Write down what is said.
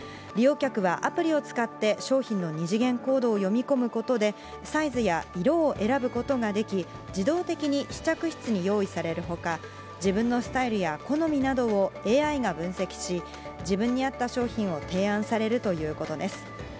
利用客はアプリを使って、商品の２次元コードを読み込むことで、サイズや色を選ぶことができ、自動的に試着室に用意されるほか、自分のスタイルや好みなどをＡＩが分析し、自分に合った商品を提案されるということです。